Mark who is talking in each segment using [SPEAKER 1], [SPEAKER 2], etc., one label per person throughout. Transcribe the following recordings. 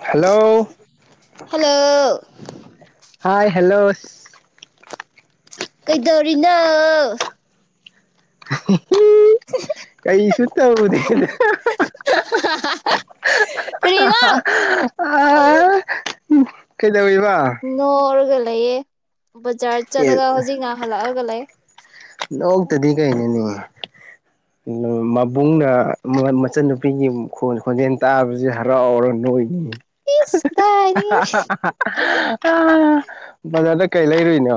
[SPEAKER 1] hello
[SPEAKER 2] hello
[SPEAKER 1] hi hello
[SPEAKER 2] ꯀꯩꯗꯧꯔꯤꯅꯣ
[SPEAKER 1] ꯀꯩꯁꯨ ꯇꯧꯗꯦꯗ
[SPEAKER 2] inaudible
[SPEAKER 1] ꯀꯩꯗꯧꯔꯤꯕ
[SPEAKER 2] ꯉꯥꯎꯔꯒ ꯂꯩꯌꯦ ꯕꯖꯥꯔ ꯆꯠꯂꯒ ꯍꯧꯖꯤꯛꯅ ꯍꯜꯂꯛꯑꯒ ꯂꯩ
[SPEAKER 1] ꯅꯣꯛꯇꯔꯗꯤ ꯀꯩꯅꯣꯅꯦ ꯃꯕꯨꯡꯅ ꯃꯆꯟꯅꯨꯄꯤꯒꯤ ꯈꯣꯟꯖꯦꯜ ꯇꯥꯕꯁꯤ ꯍꯔꯥꯎꯔ ꯅꯣꯛꯢ ꯎꯝ
[SPEAKER 2] ꯏꯁ ꯀꯗꯥꯏꯗꯒꯤ
[SPEAKER 1] ꯕꯖꯥꯔꯗ ꯀꯩ ꯂꯩꯔꯨꯏꯅꯣ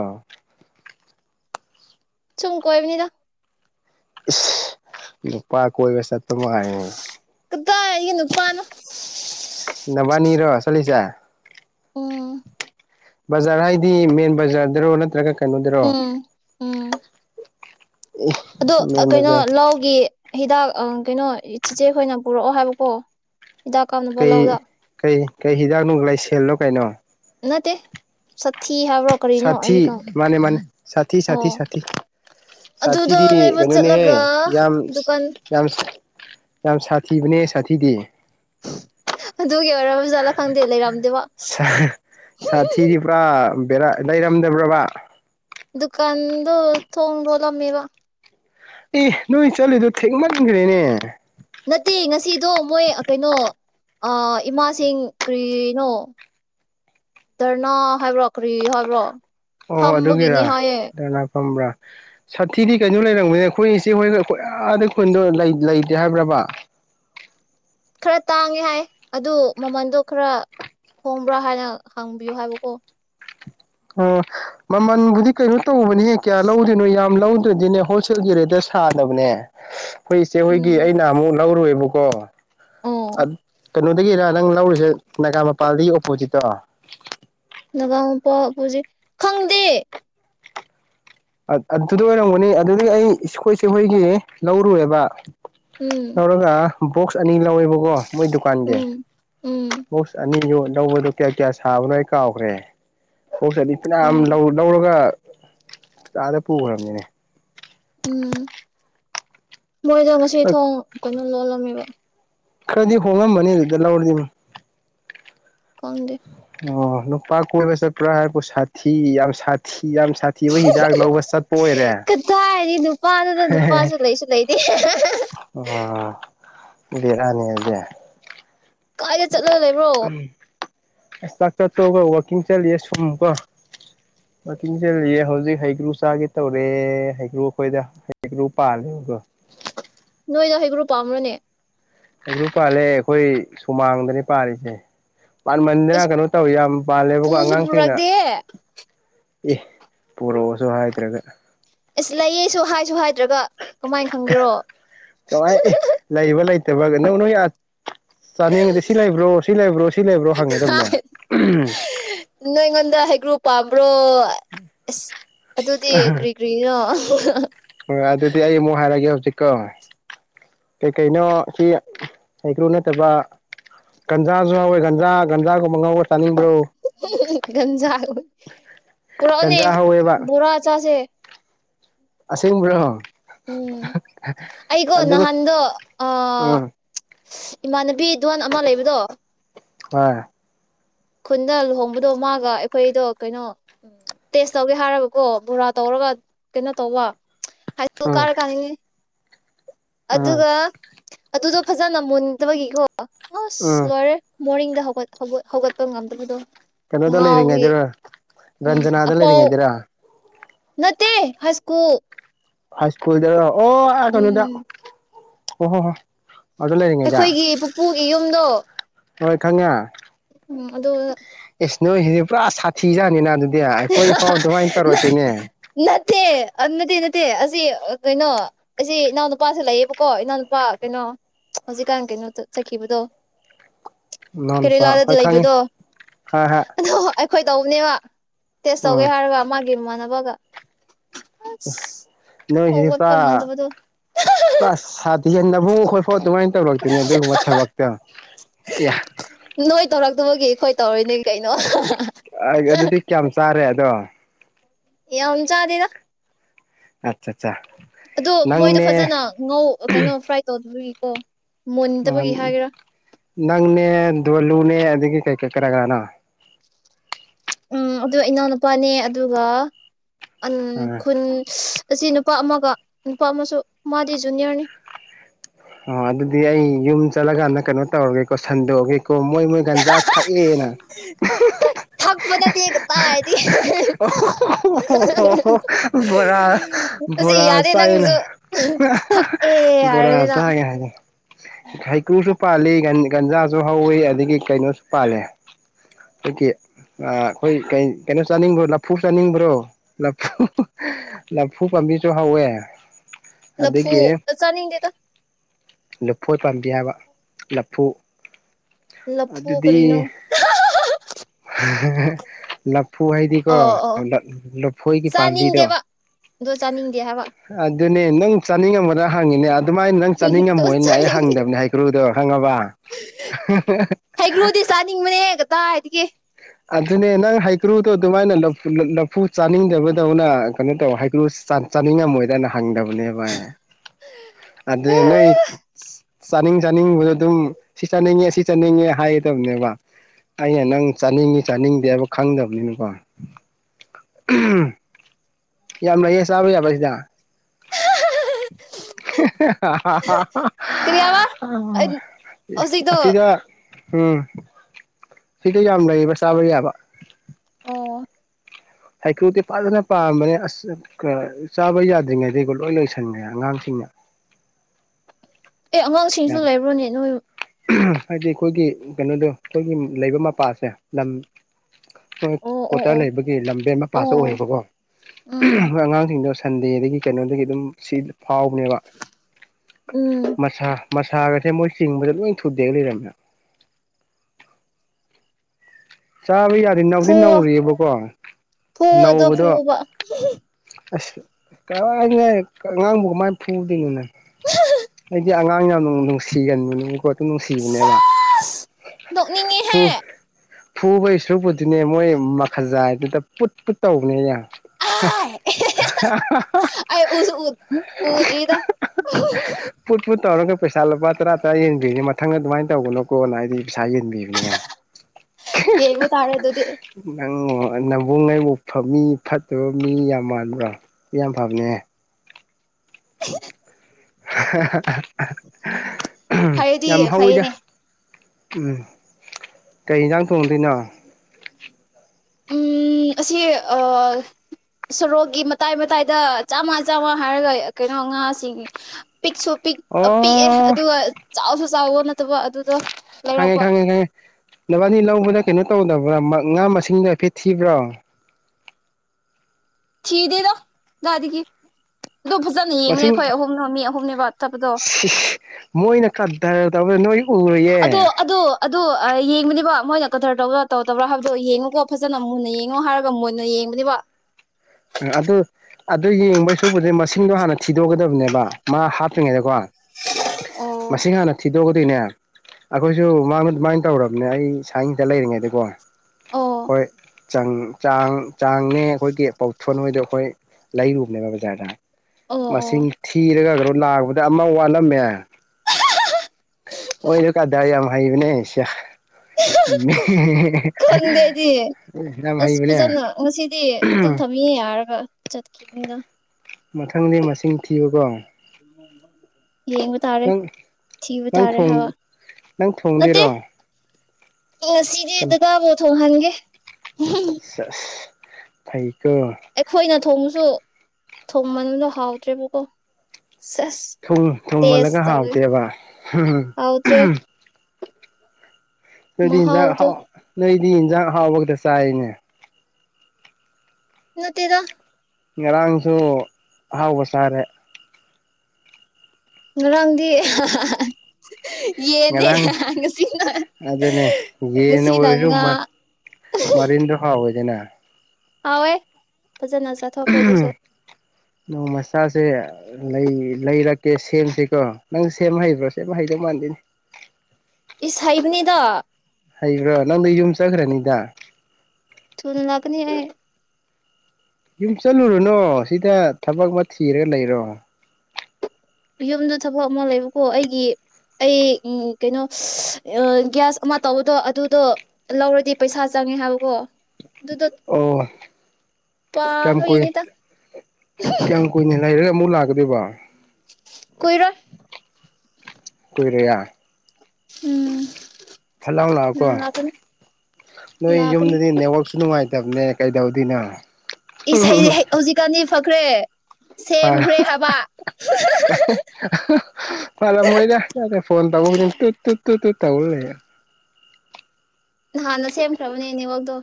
[SPEAKER 2] ꯁꯨꯝ ꯀꯣꯏꯕꯅꯤꯗ
[SPEAKER 1] ꯢꯁ ꯅꯨꯄꯥ ꯀꯣꯏꯕ ꯆꯠꯄ ꯃꯥꯜꯂꯦ
[SPEAKER 2] ꯀꯗꯥꯢꯗꯒꯤ ꯅꯨꯄꯥꯅꯣ
[SPEAKER 1] ꯅꯕꯥꯟꯅꯤꯔꯣ ꯆꯠꯂꯤꯁꯦ
[SPEAKER 2] ꯎꯝ
[SPEAKER 1] ꯕꯖꯥꯔ ꯍꯥꯏꯗꯤ ꯃꯦꯟ ꯕꯖꯥꯔꯗꯔꯣ ꯅꯠꯇ꯭ꯔꯒ unintelligible
[SPEAKER 2] ꯎꯝ ꯎꯝ ꯑꯗꯣ
[SPEAKER 1] ꯃꯦꯟ
[SPEAKER 2] ꯀꯩꯅꯣ
[SPEAKER 1] ꯕꯖꯥꯔ
[SPEAKER 2] ꯂꯧꯎꯒꯤ ꯍꯤꯗꯥꯛ ꯀꯩꯅꯣ ꯆꯤꯆꯦꯈꯣꯏꯅ ꯄꯨꯔꯛꯑꯣ ꯍꯥꯏꯕꯀꯣ ꯍꯤꯗꯥꯛ ꯀꯥꯞꯅꯕ
[SPEAKER 1] ꯀꯩ
[SPEAKER 2] ꯂꯧꯗ
[SPEAKER 1] ꯀꯩ ꯀꯩ ꯍꯤꯗꯥꯛꯅꯣ ꯂꯥꯏ ꯁꯦꯜꯂꯣ ꯀꯩꯅꯣ
[SPEAKER 2] ꯅꯠꯇꯦ ꯁꯥꯊꯤ ꯍꯥꯏꯕ꯭ꯔꯣ ꯀꯔꯤꯅꯣ
[SPEAKER 1] ꯁꯥꯠꯊꯤ
[SPEAKER 2] ꯑꯩꯗꯤ ꯀꯥꯎ
[SPEAKER 1] ꯃꯥꯅꯦ ꯃꯥꯅꯦ ꯁꯥꯡꯊꯤ ꯁꯥꯠꯊꯤ
[SPEAKER 2] ꯑꯣ
[SPEAKER 1] ꯁꯥꯠꯊꯤ
[SPEAKER 2] ꯑꯗꯨꯗꯣ
[SPEAKER 1] ꯁꯥꯠꯊꯤꯗꯤ
[SPEAKER 2] ꯂꯩꯕ
[SPEAKER 1] ꯀꯩꯅꯣꯅꯦ ꯍꯦ
[SPEAKER 2] ꯆꯠꯂꯒ
[SPEAKER 1] ꯌꯥꯝ
[SPEAKER 2] ꯗꯨꯀꯥꯟ
[SPEAKER 1] unintelligible ꯌꯥꯝ ꯌꯥꯝ ꯁꯥꯊꯤꯕꯅꯦ ꯁꯥꯠꯊꯤꯗꯤ
[SPEAKER 2] ꯑꯗꯨꯒꯤ ꯑꯣꯏꯔꯝꯖꯥꯠꯂ ꯈꯪꯗꯦ ꯂꯩꯔꯝꯗꯦꯕ
[SPEAKER 1] ꯄꯨꯔ ꯕꯦꯔꯥ ꯂꯩꯔꯝꯗꯕ꯭ꯔꯕ
[SPEAKER 2] ꯗꯨꯀꯥꯟꯗꯨ ꯊꯣꯡ ꯂꯣꯜ ꯂꯝꯃꯤꯕ
[SPEAKER 1] ꯑꯦ ꯅꯣꯏ ꯆꯠꯂꯤꯗꯨ ꯊꯦꯡꯃꯟꯈ꯭ꯔꯦꯅꯦ
[SPEAKER 2] ꯅꯠꯇꯦ ꯉꯁꯤꯗꯣ ꯃꯣꯏ ꯀꯩꯅꯣ ꯑ ꯏꯃꯥꯁꯤꯡ ꯀꯔꯤꯅꯣ ꯙꯔꯅ ꯍꯥꯏꯕ꯭ꯔꯣ ꯀꯔꯤ ꯍꯥꯏꯕ꯭ꯔꯣ
[SPEAKER 1] ꯑꯣ
[SPEAKER 2] ꯐꯝꯕꯒꯤꯅꯤ
[SPEAKER 1] ꯑꯗꯨꯒꯤꯔꯥ
[SPEAKER 2] ꯍꯥꯏꯌꯦ
[SPEAKER 1] ꯑ ꯂꯥꯛꯄꯕ꯭ꯔꯥ ꯁꯥꯊꯤꯗꯤ ꯀꯩꯅꯣ ꯂꯩꯔꯝꯃꯤꯅꯦ ꯑꯩꯈꯏꯁꯦ ꯍꯣꯏ ꯀꯣꯏꯌꯥꯗꯩ ꯈꯨꯟꯗꯣ ꯂꯩꯇꯦ ꯍꯥꯏꯕ꯭ꯔꯕ
[SPEAKER 2] ꯈꯔ ꯇꯥꯡꯉꯦ ꯍꯥꯏ ꯑꯗꯨ ꯃꯃꯟꯗꯣ ꯈꯔ ꯍꯣꯡꯕ꯭ꯔꯥ ꯍꯥꯏꯅ ꯍꯪꯕꯤꯌꯨ ꯍꯥꯏꯕꯀꯣ
[SPEAKER 1] ꯑꫭ ꯃꯃꯜꯕꯨꯗꯤ ꯀꯩꯅꯣ ꯇꯧꯕꯧꯕꯅꯦꯍꯦ ꯀꯌꯥ ꯂꯧꯗꯣꯏꯅꯣ ꯌꯥꯝ ꯂꯧꯗ꯭ꯔꯗꯤꯅꯦ ꯍꯣꯜꯁꯦꯜꯒꯤ ꯔꯦꯠꯇ ꯁꯥꯗꯕꯅꯦ ꯑꯈꯣꯏ ꯏꯆꯦ ꯍꯣꯏꯒꯤ
[SPEAKER 2] ꯎꯝ
[SPEAKER 1] ꯑꯩꯅ ꯑꯃꯨꯛ ꯂꯧꯔꯨꯑꯦꯕꯀꯣ
[SPEAKER 2] ꯑꯣ
[SPEAKER 1] ꯀꯩꯅꯣꯗꯒꯤꯔ ꯅꯪ ꯂꯧꯔꯤꯁꯦ ꯅꯥꯒꯥ ꯃꯄꯥꯜꯗꯒꯤ ꯑꯣꯄꯣꯖꯤꯠꯇꯣ
[SPEAKER 2] ꯅꯒꯥ ꯃꯄꯥꯜ ꯑꫭꯄꯨꯁꯤ ꯈꯪꯗꯦ
[SPEAKER 1] ꯑꯗꯨꯗ ꯑꯣꯏꯔꯝꯒꯅꯤ ꯑꯗꯨꯗꯤ ꯑꯩ ꯏꯁꯈꯣꯏꯁꯦ ꯑꯩꯏꯒꯤ ꯂꯧꯔꯨꯑꯦꯕ
[SPEAKER 2] ꯎꯝ
[SPEAKER 1] ꯂꯧꯔꯒ ꯕꯣꯛꯁ ꯑꯅꯤ ꯂꯧꯋꯦꯕꯀꯣ ꯃꯣꯏ ꯗꯨꯀꯥꯟꯒꯤ
[SPEAKER 2] ꯎꯝ ꯎꯝ
[SPEAKER 1] ꯕꯣꯛꯁ ꯑꯅꯤꯗꯨ ꯂꯧꯕꯗꯣ ꯀꯌꯥ ꯀꯌꯥ ꯁꯥꯕꯅꯣ ꯑꯩ ꯀꯥꯎꯈ꯭ꯔꯦ ꯄꯣꯛ ꯆꯗꯤ ꯐꯤꯅꯌꯥꯝ
[SPEAKER 2] ꯑꯣ
[SPEAKER 1] ꯂꯧ ꯂꯧꯔꯒ ꯆꯥꯗ ꯄꯨꯈ꯭ꯔꯕꯅꯤꯅꯦ
[SPEAKER 2] ꯎꯝ ꯃꯣꯏꯗꯣ ꯉꯁꯤ ꯊꯣꯡ ꯀꯩꯅꯣ ꯂꯣꯜꯂꯝꯃꯦꯕ
[SPEAKER 1] ꯈꯔꯗꯤ ꯍꯉ ꯃꯅꯤ ꯑꯗꯨꯗꯔ ꯂ ꯂꯧꯗ
[SPEAKER 2] ꯈꯪꯡꯗꯦ
[SPEAKER 1] ꯑꯣ ꯅ ꯅꯨꯄꯥ ꯀꯣꯏꯕꯁ ꯄꯨꯔ ꯍꯥꯏ ꯁꯥꯊꯤ ꯌꯥꯝ ꯁꯥꯊꯤ ꯌꯥꯝ ꯁꯥ ꯊꯤꯕ ꯍꯤꯗꯥꯛ ꯂꯧꯕ ꯆꯠꯄ ꯑꯣꯏꯔꯦ ꯑꯣ
[SPEAKER 2] ꯀꯗꯥꯏꯗꯤ ꯅꯨꯄꯥꯗꯨꯅ ꯅꯨꯄꯥꯁꯨ ꯂꯩꯁꯨ ꯂꯩꯇꯦ
[SPEAKER 1] ꯕꯔꯥꯅꯤꯗꯨꯗꯤ
[SPEAKER 2] ꯀꯥꯏꯗ ꯆꯠꯂꯒ ꯂꯩꯕ꯭ꯔꯣ
[SPEAKER 1] ꯑꯁ ꯆꯥꯛꯇ ꯇꯧꯒ ꯋꯥꯛꯀꯤꯡ ꯆꯠꯂꯤ ꯁꯨꯝꯀꯣ ꯋꯥꯛꯀꯤꯡ ꯆꯠꯂꯤꯌ
[SPEAKER 2] ꯑꯣ
[SPEAKER 1] ꯍꯧꯖꯤꯛ ꯍꯩꯒꯔꯨ ꯆꯥꯒꯤ ꯇꯧꯔꯦ ꯍꯩꯒ꯭ꯔꯨ ꯑꯩꯈꯣꯏꯗ ꯍꯩꯒ꯭ꯔꯨ ꯄꯥꯜꯂꯦꯕꯣ
[SPEAKER 2] ꯅꯣꯏꯗ ꯍꯩꯒ꯭ꯔꯣ ꯄꯥꯝꯕ꯭ꯔꯣꯅꯦ
[SPEAKER 1] ꯑꯗꯨ ꯄꯥꯜꯂꯦ ꯑꯩꯈꯣꯏ ꯁꯨꯃꯥꯡꯗꯅꯦ ꯄꯥꯔꯤꯁꯦ
[SPEAKER 2] ꯑꯁ
[SPEAKER 1] ꯄꯥꯟꯃꯟꯗꯅ ꯀꯩꯅꯣ ꯇꯧꯋꯤ ꯌꯥꯝ ꯄꯥꯜꯂꯦꯕꯀꯣ
[SPEAKER 2] ꯄꯨꯁꯨ
[SPEAKER 1] ꯑꯉꯥꯡꯁꯤꯡꯅ
[SPEAKER 2] ꯄꯨꯔꯛꯇꯦꯍꯦ
[SPEAKER 1] ꯑꯦ ꯄꯨꯔꯛꯑꯣꯁꯨ ꯍꯥꯏꯗ꯭ꯔꯒ
[SPEAKER 2] ꯑꯁ ꯂꯩꯌꯦꯁꯨ ꯍꯥꯏꯁꯨ ꯍꯥꯏꯗ꯭ꯔꯒ ꯀꯃꯥꯏꯅ ꯈꯪꯒꯦꯔꯣ
[SPEAKER 1] ꯀꯃꯥꯏ ꯂꯩꯕ ꯂꯩꯇꯕ ꯅꯪ ꯅꯣꯏ ꯆꯥꯅꯤꯡꯉꯗꯤ ꯁꯤ ꯂꯩꯕ꯭ꯔꯣ ꯁꯤ ꯂꯩꯕ꯭ꯔꯣ ꯁꯤ ꯂꯩꯕ꯭ꯔꯣ ꯍꯪꯒꯗꯕꯅꯦ
[SPEAKER 2] ꯅꯣꯏ ꯑꯩꯉꯣꯟꯗ ꯍꯩꯒ꯭ꯔꯨ ꯄꯥꯕ꯭ꯔꯣ ꯑꯁ ꯑꯗꯨꯗꯤ ꯀꯔꯤ ꯀ꯭ꯔꯤꯅꫭ
[SPEAKER 1] ꯍꯣꯏ ꯑꯗꯨꯗꯤ ꯑꯩ ꯑꯃꯨꯛ ꯍꯥꯏꯔꯒꯦ ꯍꯧꯖꯤꯛꯀꯣ ꯀꯩꯀꯩꯅꯣ ꯁꯤ ꯍꯩꯀ꯭ꯔꯨ ꯅꯠꯇꯕ ꯒꯟꯖꯥꯁꯨ ꯌꯥ ꯍꯧꯋꯦ ꯒꯟꯖꯥ ꯒꯟꯖꯥꯒꯨꯝꯕ ꯉꯧꯕ ꯆꯥꯅꯤꯡꯕ꯭ꯔꯣ
[SPEAKER 2] ꯒꯟꯖꯥ ꯍ ꯄꯨꯔꯛꯅꯦ
[SPEAKER 1] ꯒꯟꯖꯥ ꯍꯧꯋꯦꯕ
[SPEAKER 2] ꯕꯣꯔꯥ ꯑꯆꯥꯁꯦ
[SPEAKER 1] ꯑꯁꯡꯕꯔꫭ
[SPEAKER 2] ꯎꯝ ꯑꯩꯒꯣ ꯅꯍꯟꯗ ꯑ
[SPEAKER 1] ꯎꯝ
[SPEAKER 2] ꯏꯃꯥꯟꯅꯕꯤ ꯗꯨꯋꯥꯥꯟ ꯑꯃ ꯂꯩꯕꯗꯣ
[SPEAKER 1] ꯑ
[SPEAKER 2] ꯈꯨꯟꯗ ꯂꯨꯍꯣꯡꯕꯗꯣ ꯃꯥꯒ ꯑꯩꯈꯣꯏꯗꯣ ꯀꯩꯅꯣ ꯇꯦꯁ ꯇꯧꯒꯦ ꯍꯥꯏꯔꯕꯀꯣ ꯕꯣꯔꯥ ꯇꯧꯔꯒ ꯀꯩꯅꯣ ꯇꯧꯕ
[SPEAKER 1] ꯎꯝ
[SPEAKER 2] ꯀꯥꯔ ꯀꯥ
[SPEAKER 1] ꯎꯝ
[SPEAKER 2] ꯑꯗꯨꯒ ꯑꯗꯨꯗꯣ ꯐꯖꯅ ꯃꯨꯗꯕꯒꯤꯀꯣ
[SPEAKER 1] ꯎꯝ
[SPEAKER 2] ꯑꯁ ꯂꯣꯏꯔꯦ ꯃꯣꯔꯅꯤꯡꯗ ꯍꯧꯒꯠꯄ ꯉꯝꯗꯕꯗꯣ
[SPEAKER 1] ꯀꯩꯅꯣꯗ
[SPEAKER 2] ꯉꯥꯎꯕꯒꯤ
[SPEAKER 1] ꯂꯩꯔꯤꯉꯩꯗꯨꯔ
[SPEAKER 2] ꯎꯝ
[SPEAKER 1] ꯔꯟꯖꯅꯥꯗ
[SPEAKER 2] ꯑꯄꯧ
[SPEAKER 1] ꯂꯩꯔꯤꯉꯩꯗꯔꯥ
[SPEAKER 2] ꯅꯠꯇꯦ ꯍꯁꯀꯨ
[SPEAKER 1] ꯍꯥꯏ ꯁꯀꯨꯜꯗ ꯑꯣ ꯑ ꯀꯩꯅꯣꯗ
[SPEAKER 2] ꯎꯝ
[SPEAKER 1] ꯑꯣ ꯍꯣ ꯍꯣ ꯑꯗꯨꯗ ꯂꯩꯉꯖ
[SPEAKER 2] ꯑꯩꯈꯣꯏꯒꯤ ꯄꯨꯄꯨꯒꯤ ꯌꯨꯝꯗꯣ
[SPEAKER 1] ꯍꯣꯏ ꯈꯪꯉꯥ
[SPEAKER 2] ꯎꯝ ꯑꯗꯨꯗ
[SPEAKER 1] ꯏꯁ ꯅꯣꯏꯁꯤꯗꯤ ꯄꯨꯔꯥ ꯁꯥꯊꯤꯖꯥꯠꯅꯤꯅ ꯑꯗꯨꯗꯤ ꯑꯩꯈꯣꯏꯐꯥꯎ ꯑꯗꯨꯃꯥꯏꯅ ꯇꯧꯔꯛꯇꯦꯅꯦ
[SPEAKER 2] ꯅꯠꯇꯦ ꯑꯥ ꯅꯠꯇꯦ ꯅꯠꯇꯦ ꯑꯁꯤ ꯀꯩꯅꯣ ꯑꯁꯤ ꯏꯅꯥꯎꯅꯨꯄꯥꯁꯨ ꯂꯩꯌꯦꯕꯀꯣ ꯏꯅꯥꯎꯅꯨꯄꯥ ꯀꯩꯅꯣ ꯍꯧꯖꯤꯛꯀꯥꯟ ꯀꯩꯅꯣ ꯆꯠꯈꯤꯕꯗꯣ
[SPEAKER 1] ꯏꯅꯥꯎ ꯅꯨꯄꯥ ꯍꯣꯏ
[SPEAKER 2] ꯀꯦꯔꯦꯂꯥꯗꯗꯤ
[SPEAKER 1] ꯈꯪꯉꯤ
[SPEAKER 2] ꯂꯩꯕꯗꯣ
[SPEAKER 1] ꯍꯣꯏ ꯍꯣꯏ
[SPEAKER 2] ꯑꯗꯣ ꯑꯩꯈꯣꯏ ꯇꯧꯕꯅꯦꯕ ꯇꯦꯁ ꯇꯧꯒꯦ
[SPEAKER 1] ꯎꯝ
[SPEAKER 2] ꯍꯥꯏꯔꯒ ꯃꯥꯒꯤ ꯃꯃꯥꯟꯅꯕꯒ ꯑꯁ
[SPEAKER 1] ꯅꯣꯏꯁꯤꯗꯤ
[SPEAKER 2] ꯍꯧꯒꯠꯄ
[SPEAKER 1] ꯄꯨꯔꯥ
[SPEAKER 2] ꯉꯝꯗꯕꯗꯣ
[SPEAKER 1] ꯄꯨꯔꯥ ꯁꯥꯊꯤ [unintelligible] ꯈꯣꯏꯐꯥꯎ ꯑꯗꯨꯃꯥꯏꯅ ꯇꯧꯔꯛꯇꯦꯅꯦ ꯑꯗꯨꯒꯨꯝꯕ ꯊꯕꯛꯇꯣ ꯏꯌꯥ
[SPEAKER 2] ꯅꯣꯏ ꯇꯧꯔꯛꯇꯕꯒꯤ ꯑꯩꯈꯣꯏ ꯇꯧꯔꯤꯅꯦ ꯀꯩꯅꯣ
[SPEAKER 1] ꯑ ꯑꯗꯨꯗꯤ ꯀꯌꯥꯝ ꯆꯥꯔꯦ ꯑꯗꯣ
[SPEAKER 2] ꯌꯥꯝ ꯆꯥꯗꯦꯗꯥ
[SPEAKER 1] ꯑꯆꯥꯆꯥ
[SPEAKER 2] ꯑꯗꯣ ꯃꯣꯏꯗꯣ ꯐꯖꯅ ꯉꯧ ꯀꯩꯅꯣ ꯐ꯭ꯔꯥꯏ ꯇꯧꯗꯕꯒꯤꯀꯣ ꯃꯨꯟꯗꯕꯒꯤ ꯍꯥꯏꯒꯦꯔꯥ
[SPEAKER 1] ꯅꯪꯅꯦ ꯗꯣꯂꯨꯅꯦ ꯑꯗꯒꯤ ꯀꯩꯀꯩ ꯀꯅꯥ ꯀꯅꯥꯅꯣ
[SPEAKER 2] ꯎꯝ ꯑꯗꯨ ꯏꯅꯥꯎꯅꯨꯄꯥꯅꯦ ꯑꯗꯨꯒ ꯑꯟ
[SPEAKER 1] ꯑꯥ
[SPEAKER 2] ꯈꯨꯟ ꯑꯁꯤ ꯅꯨꯄꯥ ꯑꯃꯒ ꯅꯨꯄꯥ ꯑꯃꯁꯨ ꯃꯥꯗꯤ ꯖꯨꯅꯤꯌꯔꯅꯤ
[SPEAKER 1] ꯑꯣ ꯑꯗꯨꯗꯤ ꯑꯩ ꯌꯨꯝ ꯆꯠꯂꯀꯥꯟꯗ ꯀꯩꯅꯣ ꯇꯧꯔꯒꯦꯀꯣ ꯁꯟꯗꯣꯛꯑꯒꯦꯀꯣ ꯃꯣꯏ ꯃꯣꯏ ꯒꯟꯖꯥ ꯊꯛꯑꯦꯅ
[SPEAKER 2] ꯊꯛꯄ ꯅꯠꯇꯦ ꯀꯇꯥꯏꯇꯩ
[SPEAKER 1] ꯑꯣꯍꯣ ꯕꯣꯔꯥ
[SPEAKER 2] ꯑꯁꯤ
[SPEAKER 1] ꯕꯣꯔꯥ
[SPEAKER 2] ꯌꯥꯗꯦ
[SPEAKER 1] ꯆꯥꯏꯅ
[SPEAKER 2] ꯅꯪꯁꯨ ꯊꯛꯑꯦ
[SPEAKER 1] ꯕꯣꯔꯥ
[SPEAKER 2] ꯍꯥꯏꯔꯗꯅ
[SPEAKER 1] ꯆꯥꯏ ꯍꯥꯒꯦ ꯍꯩꯀ꯭ꯔꯨꯁꯨ ꯄꯥꯜꯂꯤ ꯒꯟꯖꯥꯁꯨ ꯍꯧꯋꯤ ꯑꯗꯒꯤ ꯀꯩꯅꯣꯁꯨ ꯄꯥꯜꯂꯦ ꯈꯣꯏꯒꯤ ꯑꯥ ꯈꯣꯏ ꯀꯩ ꯀꯩꯅꯣ ꯆꯥꯅꯤꯡꯕ꯭ꯔꯣ ꯂꯐꯨ ꯆꯥꯅꯤꯡꯕ꯭ꯔꯣ ꯂꯐꯨ ꯂꯐꯨ ꯄꯥꯝꯕꯤꯁꯨ ꯍꯧꯋꯦ
[SPEAKER 2] ꯂꯐꯨ
[SPEAKER 1] ꯑꯗꯒꯤ
[SPEAKER 2] ꯆꯥꯅꯤꯡꯗꯦꯗ
[SPEAKER 1] ꯂꯐꯣꯏ ꯄꯥꯝꯕꯤ ꯍꯥꯏꯕ ꯂꯐꯨ
[SPEAKER 2] ꯂꯐꯨ
[SPEAKER 1] ꯑꯗꯨꯗꯤ
[SPEAKER 2] ꯀꯔꯤꯅꯣ
[SPEAKER 1] ꯂ ꯂꯐꯨ ꯍꯥꯏꯗꯤꯀꯣ
[SPEAKER 2] ꯑꯣ ꯑꯣ
[SPEAKER 1] ꯂꯐꯣꯏꯒꯤ ꯄꯥꯝꯕꯤꯗꯣ
[SPEAKER 2] ꯆꯥꯅꯤꯡꯗꯦꯕ ꯑꯗꯣ ꯆꯥꯅꯤꯡꯗꯦ ꯍꯥꯏꯕ
[SPEAKER 1] ꯑꯗꯨꯅꯦ ꯅꯪ ꯆꯥꯅꯤꯡꯉꯝꯒꯗꯔꯥ ꯍꯪꯉꯤꯅꯦ ꯑꯗꯨꯃꯥꯏꯅ ꯅꯪ
[SPEAKER 2] ꯑꯗꯣ
[SPEAKER 1] ꯆꯥꯅꯤꯡꯉꯝꯃꯣꯏꯅ ꯑꯩ
[SPEAKER 2] ꯆꯥꯅꯤꯡꯗꯦ
[SPEAKER 1] ꯍꯪꯗꯕꯅꯤ ꯍꯩꯀ꯭ꯔꯨꯗꯣ ꯈꯪꯉꯕ
[SPEAKER 2] ꯍꯩꯀ꯭ꯔꯨꯗꯤ ꯆꯥꯅꯤꯡꯕꯅꯦ ꯀꯗꯥꯏꯗꯒꯤ
[SPEAKER 1] [inaudible] ꯑꯗꯨꯅꯦ ꯅꯪ ꯍꯩꯀ꯭ꯔꯨꯗꯣ ꯑꯗꯨꯃꯥꯏꯅ ꯂꯐꯨ ꯅꯐꯨ ꯆꯥꯅꯤꯡꯗꯕꯗꯧꯅ ꯀꯩꯅꯣ ꯇꯧ ꯍꯩꯀ꯭ꯔꯨꯁꯨ ꯆꯥꯅꯤꯡ ꯆꯥꯅꯤꯡꯉꯝꯃꯣꯏꯗꯅ ꯍꯪꯗꯕꯅꯦꯕ ꯑꯩ ꯑꯗꯨꯅꯦ ꯅꯣꯏ ꯆꯥꯅꯤꯡ ꯆꯥꯅꯤꯡꯕꯗꯣ ꯑꯗꯨꯝ ꯁꯤ ꯆꯥꯅꯤꯡꯉꯦ ꯁꯤ ꯆꯥꯅꯤꯡꯉꯦ ꯍꯥꯏꯒꯗꯕꯅꯦꯕ ꯑꯩꯅ ꯅꯪ ꯆꯥꯅꯤꯡꯉꯤ ꯆꯥꯅꯤꯡꯗꯦ ꯍꯥꯏꯕ ꯈꯪꯗꯕꯅꯤꯅꯀꯣ ꯌꯥꯝ ꯂꯩꯌꯦ ꯆꯥꯕ ꯌꯥꯕ ꯍꯦꯟꯖꯥꯡ
[SPEAKER 2] ꯀꯔꯤꯌꯥꯕ ꯍꯧꯖꯤꯛꯇꯣ
[SPEAKER 1] ꯑꯁꯤꯗ ꯎꯝ ꯁꯤꯗ ꯌꯥꯝ ꯂꯩꯌꯦꯕ ꯆꯥꯕ ꯌꯥꯕ
[SPEAKER 2] ꯑꯣ
[SPEAKER 1] ꯍꯩꯀ꯭ꯔꯨꯗꯤ ꯐꯖꯅ ꯄꯥꯟꯕꯅꯦ ꯑꯁ ꯈꯔ ꯆꯥꯕ ꯌꯥꯗ꯭ꯔꯤꯉꯩꯗꯩꯀꯣ ꯂꯣꯏ ꯂꯣꯏꯁꯟꯈ꯭ꯔꯦ ꯑꯉꯥꯡꯁꯤꯡꯅ
[SPEAKER 2] ꯑꯦ ꯑꯉꯥꯡꯁꯤꯡꯁꯨ
[SPEAKER 1] ꯌꯥꯝ
[SPEAKER 2] ꯂꯩꯕ꯭ꯔꯣꯅꯦ ꯅꯣꯏ
[SPEAKER 1] ꯍꯥꯏꯗꯤ ꯈꯣꯏꯒꯤ ꯀꯩꯅꯣꯗꯣ [unintelligible] ꯂꯩꯕ ꯃꯄꯥꯁꯦ ꯂꯝ ꯍꯣꯏ
[SPEAKER 2] ꯑꯣ ꯑꯣ
[SPEAKER 1] ꯀ꯭ꯋꯥꯇꯔ
[SPEAKER 2] ꯑꯣ
[SPEAKER 1] ꯂꯩꯕ ꯒꯤ ꯂꯝꯕꯦꯟ ꯃꯄꯥꯁꯨ
[SPEAKER 2] ꯑꯣ
[SPEAKER 1] ꯑꯣꯏꯕꯀꯣ
[SPEAKER 2] ꯎꯝ
[SPEAKER 1] ꯍꯣꯏ ꯑꯉꯥꯡꯁꯤꯡꯗꯣ ꯁꯟꯗꯦꯗꯒꯤ ꯀꯩꯅꯣꯗꯒꯤ ꯑꯗꯨꯝ ꯁꯤ ꯐꯥꯎꯕꯅꯦꯕ
[SPEAKER 2] ꯎꯝ
[SPEAKER 1] ꯃꯁꯥ ꯃꯁꯥꯒꯁꯦ ꯃꯣꯏ ꯆꯤꯡꯕꯗ ꯂꯣꯏ ꯊꯨꯗꯦꯛ ꯂꯩꯔꯝꯃꯦ ꯆꯥꯕ ꯌꯥꯗꯦ ꯅꯧꯗꯤ
[SPEAKER 2] ꯐꯨꯑꯣ
[SPEAKER 1] ꯅꯧꯔꯤꯑꯕꯀꯣ
[SPEAKER 2] ꯐꯨꯑꯣꯗꯣ
[SPEAKER 1] ꯅꯧꯕꯗꯣ
[SPEAKER 2] ꯐꯨꯕ
[SPEAKER 1] ꯑꯁ ꯀꯃꯥꯏꯅꯦ ꯑꯉꯥꯡꯕꯨ ꯀꯃꯥꯏꯅ ꯐꯨꯗꯣꯏꯅꯣꯅꯦ ꯑꯩꯗꯤ ꯑꯉꯥꯡ ꯌꯥꯝꯅꯨꯡ ꯅꯨꯡꯁꯤꯒꯟꯕꯅꯦ ꯑꯈꯣꯏ ꯅꯨꯡꯁꯤꯕꯅꯦꯕ
[SPEAKER 2] ꯁꯦꯁ
[SPEAKER 1] ꯐꯨ
[SPEAKER 2] ꯅꯣꯛꯅꯤꯡꯉꯦꯍꯦ
[SPEAKER 1] ꯐꯨꯕꯩꯁꯔꯨꯛꯄꯨꯗꯤꯅꯦ ꯃꯣꯏ ꯃꯈꯥꯖꯥꯏ ꯗꯨꯗ ꯄꯨꯠꯄꯠ ꯇꯧꯕꯅꯦ ꯌꯥ
[SPEAKER 2] ꯑꯩ ꯎꯁꯨꯎ ꯎꯗ꯭ꯔꯤꯗ
[SPEAKER 1] ꯄꯨꯠ ꯐꯨꯠ ꯇꯧꯔꯒ ꯄꯩꯁꯥ ꯂꯨꯄꯥ ꯇꯔꯥ ꯇꯔꯥ ꯌꯦꯟꯕꯤꯕꯅꯦ ꯃꯊꯪ ꯑꯗꯨꯃꯥꯏꯅ ꯇꯧꯒꯅꯨꯀꯣꯅ ꯍꯥꯏꯗꯤ ꯄꯩꯁꯥ ꯌꯦꯟꯕꯤꯕꯅꯦ
[SPEAKER 2] ꯌꯦꯡꯕ ꯇꯥꯔꯦ ꯑꯗꯨꯗꯤ
[SPEAKER 1] ꯅꯪ ꯅꯕꯨꯨꯡꯑꯩꯕꯨ ꯃꯤ ꯐꯠꯇꯕ ꯃꯤ ꯌꯥꯝ ꯃꯥꯟꯗ꯭ꯔꯣ ꯃꯤ ꯌꯥꯝ ꯐꯕꯅꯦ
[SPEAKER 2] [inaudible] ꯐꯔꯗꯤ
[SPEAKER 1] ꯌꯥꯝ ꯍꯧꯋꯤꯗ
[SPEAKER 2] ꯐꯩꯌꯦꯅꯦ
[SPEAKER 1] ꯎꯝ ꯀꯩ ꯌꯦꯟꯁꯥꯡ ꯊꯣꯡꯗꯣꯏꯅꯣ
[SPEAKER 2] ꯎꯝ ꯑꯁꯤ ꯑ ꯁꯣꯔꯣꯛꯒꯤ ꯃꯇꯥꯏ ꯃꯇꯥꯏꯗ ꯆꯥꯃ ꯆꯥꯝꯃꯥ ꯍꯥꯏꯔꯒ ꯀꯩꯅꯣ ꯉꯥꯁꯤ ꯄꯤꯛꯁꯨ ꯄꯤꯛ ꯄꯤꯛꯑꯦ
[SPEAKER 1] ꯑꯣ
[SPEAKER 2] ꯑꯗꯨꯒ ꯆꯥꯎꯁꯨ ꯆꯥꯎꯕ ꯅꯠꯇꯕ ꯑꯗꯨꯗꯣ
[SPEAKER 1] ꯈꯪꯉꯦ
[SPEAKER 2] ꯂꯩꯔꯛꯄ
[SPEAKER 1] ꯈꯪꯉꯦ ꯈꯪꯉꯦ ꯅꯕꯥꯅꯤ ꯂꯧꯕꯗ ꯀꯩꯅꯣ ꯇꯧꯗꯕ꯭ꯔꯥ ꯉꯥ ꯃꯁꯤꯡꯗꯨ ꯍꯥꯏꯐꯦꯠ ꯊꯤꯕ꯭ꯔꯣ
[SPEAKER 2] ꯊꯤꯗꯦꯗ ꯀꯥꯗꯒꯤ ꯑꯗꯨ ꯐꯖꯅ ꯌꯦꯡꯕꯅꯦ ꯑꯩꯈꯣꯏ ꯑꯍꯨꯝꯅ ꯃꯤ ꯑꯍꯨꯝꯅꯦꯕ ꯆꯠꯄꯗꯣ
[SPEAKER 1] ꯁꯤ ꯃꯣꯏꯅ ꯀꯗꯔ ꯇꯧꯕꯅꯣꯏ
[SPEAKER 2] ꯑꯗꯣ ꯑꯗꯣ ꯑꯗꯨ ꯌꯦꯡꯕꯅꯤꯕ ꯃꯣꯏꯅ ꯀꯗꯔ ꯇꯧꯕ꯭ꯔꯥ ꯇꯧꯗꯕ꯭ꯔꯥ ꯍꯥꯏꯕꯗꯣ ꯌꯦꯡꯉꯨꯀꯣ ꯐꯖꯅ ꯃꯨꯟꯅ ꯌꯦꯡꯉꯣ ꯍꯥꯏꯔꯒ ꯃꯨꯟꯅ ꯌꯦꯡꯕꯅꯦꯕ
[SPEAKER 1] ꯑꯗꯨ ꯑꯗꯨ ꯌꯦꯡꯕꯁꯨꯕꯨꯗꯤ ꯃꯁꯤꯡꯗꯣ ꯍꯥꯟꯅ ꯊꯤꯗꯣꯛꯀꯗꯕꯅꯦꯕ ꯃꯥ ꯍꯥꯞꯇ꯭ꯔꯤꯉꯩꯗꯀꯣ
[SPEAKER 2] ꯑꯣ
[SPEAKER 1] ꯃꯁꯤꯡ ꯍꯥꯅ ꯊꯤ ꯑꯗꯨꯒꯗꯤꯅꯦ ꯑꯩꯈꯣꯏꯁꯨ ꯃꯅ ꯑꯗꯨꯃꯥꯏꯅ ꯇꯧꯔꯕꯅꯦ ꯑꯩ ꯁꯥꯏꯟꯁꯇ ꯂꯩꯔꯤꯉꯩꯗꯀꯣ
[SPEAKER 2] ꯑꯣ
[SPEAKER 1] ꯍꯣꯏ ꯆ ꯆꯥꯡ ꯆꯥꯡꯅꯦ ꯑꯩꯈꯣꯏꯒꯤ ꯊꯣꯟ ꯍꯣꯏꯗꯣ ꯑꯩꯈꯣꯏ ꯂꯩꯔꯨꯕꯅꯦꯕ ꯕꯖꯥꯔꯗ
[SPEAKER 2] ꯑꯣ ꯑꯣ
[SPEAKER 1] ꯃꯁꯤꯡ ꯊꯤꯔꯒ ꯀꯩꯅꯣ ꯂꯥꯛꯄꯗ ꯑꯃ ꯋꯥꯠꯂꯝꯃꯦ ꯑꯣꯏꯔꯀꯟꯗ ꯌꯥꯝ ꯍꯩꯕꯅꯦ
[SPEAKER 2] ꯈꯪꯗꯦ ꯑꯩꯗꯤ
[SPEAKER 1] ꯌꯥꯝ ꯍꯩꯕꯅꯦ
[SPEAKER 2] ꯃꯤ ꯌꯥꯔꯒ ꯆꯠꯈꯤꯗ
[SPEAKER 1] ꯃꯊꯪꯗꯤ ꯃꯁꯤꯡ ꯊꯤꯌꯨꯀꯣ
[SPEAKER 2] ꯌꯦꯡꯂ ꯇꯔꯦ
[SPEAKER 1] ꯅꯪ
[SPEAKER 2] ꯊꯤꯕ
[SPEAKER 1] ꯅꯪ
[SPEAKER 2] ꯇꯥꯔꯦ
[SPEAKER 1] ꯊꯣꯡ
[SPEAKER 2] ꯍꯥꯏꯕ
[SPEAKER 1] ꯅꯪ
[SPEAKER 2] ꯅꯠꯇꯦ
[SPEAKER 1] ꯊꯣꯡꯗꯣꯏꯔꯣ
[SPEAKER 2] ꯉꯁꯤꯗꯤ
[SPEAKER 1] ꯀꯩꯅꯣ
[SPEAKER 2] ꯗꯗꯥꯕꯨ ꯊꯣꯛꯍꯟꯒꯦ
[SPEAKER 1] ꯐꯩꯀꯣ
[SPEAKER 2] ꯑꯩꯈꯣꯏꯅ ꯊꯣꯡꯕꯁꯨ ꯊꯣꯡꯃꯟꯗ ꯍꯥꯎꯇ꯭ꯔꯦꯕꯀꯣ ꯁꯦꯁ
[SPEAKER 1] ꯊꯨꯝ
[SPEAKER 2] ꯇꯦꯁ
[SPEAKER 1] ꯊꯨꯝꯃꯜꯂꯒ
[SPEAKER 2] ꯇꯧꯋꯦ
[SPEAKER 1] ꯍꯥꯎꯇꯦꯕ
[SPEAKER 2] ꯍꯥꯎꯗ꯭ꯔꯦ
[SPEAKER 1] ꯅꯣꯏꯗꯤ ꯏꯟꯖꯥꯡ
[SPEAKER 2] ꯃꯍꯥꯎꯗꯣ
[SPEAKER 1] ꯑꯍꯥꯎ ꯅꯣꯏꯗꯤ ꯏꯟꯖꯥꯡ ꯑꯍꯥꯎꯕ ꯈꯛꯇ ꯆꯥꯏꯅꯦ
[SPEAKER 2] ꯅꯠꯇꯦꯗꯣ
[SPEAKER 1] ꯉꯔꯥꯡꯁꯨ ꯑꯍꯥꯎꯕ ꯆꯥꯔꯦ
[SPEAKER 2] ꯉꯔꯥꯡꯗꯤ ꯌꯦꯟꯅꯦ
[SPEAKER 1] ꯉꯔꯥꯡ
[SPEAKER 2] ꯉꯁꯤꯅ
[SPEAKER 1] ꯑꯗꯨꯅꯦ
[SPEAKER 2] ꯉꯁꯤꯅ ꯉꯥ
[SPEAKER 1] ꯃꯔꯤꯟꯖꯨ ꯍꯥꯎꯏꯗꯅ
[SPEAKER 2] ꯍꯥꯎꯋꯦ ꯐꯖꯅ ꯆꯊꯣꯛꯈ꯭ꯔꯦ ꯑꯗꯨꯁꯨ
[SPEAKER 1] ꯎꯝ ꯃꯁꯥꯁꯦ ꯂꯩꯔꯛꯀꯦ ꯁꯦꯝꯁꯤꯀꯣ ꯅꯪ ꯁꯦꯝ ꯍꯩꯕ꯭ꯔꯣ ꯁꯦꯝꯕ ꯍꯩꯗꯧ ꯃꯥꯟꯗꯦꯅꯤ
[SPEAKER 2] ꯏꯁ ꯍꯩꯕꯅꯤꯗ
[SPEAKER 1] ꯍꯩꯕ꯭ꯔꯣ ꯅꯪꯗꯤ ꯌꯨꯝ ꯆꯠꯈ꯭ꯔꯅꯤꯗ
[SPEAKER 2] ꯊꯨꯅꯥ ꯂꯥꯛꯀꯅꯤ ꯑꯩ
[SPEAKER 1] ꯌꯨꯝ ꯆꯠꯂꯨꯔꯨꯅꯣ ꯁꯤꯗ ꯊꯕꯛ ꯑꯃ ꯊꯤꯔꯒ ꯂꯩꯔꯣ
[SPEAKER 2] ꯌꯨꯝꯗ ꯊꯕꯛ ꯑꯃ ꯂꯩꯕꯀꯣ ꯑꯩꯒꯤ ꯑꯩ ꯀꯩꯅꯣ ꯒ꯭ꯌꯥꯁ ꯑꯃ ꯇꯧꯕꯗꯣ ꯑꯗꯨꯗꯣ ꯂꯧꯔꯗꯤ ꯄꯩꯁꯥ ꯆꯪꯉꯦ ꯍꯥꯏꯕꯀꯣ ꯗꯨꯗꯣꯠ
[SPEAKER 1] ꯑꯣ
[SPEAKER 2] ꯄꯕꯥ
[SPEAKER 1] ꯀꯌꯥꯝ ꯀꯨꯏ
[SPEAKER 2] ꯍꯩꯅꯤꯇ
[SPEAKER 1] ꯀꯌꯥꯝ ꯀꯨꯏꯅ ꯂꯩꯔꯒ ꯑꯃꯨꯛ ꯂꯥꯛꯀꯗꯣꯏꯕ
[SPEAKER 2] ꯀꯨꯏꯔꯣꯏ
[SPEAKER 1] ꯀꯨꯏꯔꯌꯥ
[SPEAKER 2] ꯎꯝ
[SPEAKER 1] ꯐꯠ ꯂꯥꯎ ꯂꯥꯛꯎꯀꯣ
[SPEAKER 2] ꯎꯝ ꯂꯥꯛꯀꯅꯤ
[SPEAKER 1] ꯅꯣꯏ
[SPEAKER 2] ꯂꯥꯛꯀꯅꯤ
[SPEAKER 1] ꯌꯨꯝꯗꯗꯤ ꯅꯦꯠꯋꯥꯛꯁꯨ ꯅꯨꯡꯉꯥꯏꯇꯝꯅꯦ ꯀꯩꯗꯧꯗꯤꯅꯣ
[SPEAKER 2] ꯏꯁ ꯍꯩ ꯍꯧꯖꯤꯛꯀꯥꯟꯗꯤ ꯐꯈ꯭ꯔꯦ ꯁꯦꯝꯈ꯭ꯔꯦ ꯍꯥꯏꯕ
[SPEAKER 1] ꯐꯂꯝ ꯃꯣꯏꯗ ꯌꯗꯦ ꯐꯣꯟ ꯇꯧꯕ ꯈꯨꯗꯤꯡ ꯇꯨꯠ ꯇꯨꯠ ꯇꯨꯠ ꯇꯨꯠ ꯇꯧꯔꯥ ꯂꯩꯌꯦ
[SPEAKER 2] ꯅꯍꯥꯟꯅ ꯁꯦꯝꯈ꯭ꯔꯕꯅꯦ ꯅꯦꯋꯥꯛꯗꯣ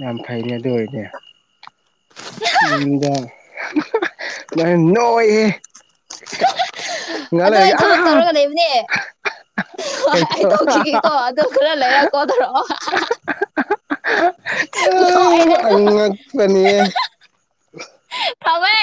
[SPEAKER 1] ꯌꯥꯝ ꯐꯩꯅꯦ ꯑꯗꯨ ꯑꯣꯏꯗꯤ ꯅꯪ ꯅꯣꯏꯍꯦ ꯉꯥꯏꯍꯥꯛ
[SPEAKER 2] ꯑꯗꯣ ꯑꯩ
[SPEAKER 1] ꯂꯩꯔꯒ
[SPEAKER 2] ꯊꯕꯛ
[SPEAKER 1] ꯑꯥ
[SPEAKER 2] ꯇꯧꯔꯒ ꯂꯩ ꯅꯦ ꯍꯣꯏ
[SPEAKER 1] ꯀꯩꯗꯧ
[SPEAKER 2] ꯑꯩꯇꯧꯈꯤꯒꯦꯀꯣ ꯑꯗꯨ ꯈꯔ ꯂꯩꯔꯛ ꯀꯣꯜꯗꯧꯔꯛꯑꯣ ꯅꯣꯛꯑꯦ ꯅꯪꯁꯨ
[SPEAKER 1] ꯑꯉꯛꯄꯅꯤꯍꯦ
[SPEAKER 2] ꯊꯝꯃꯦ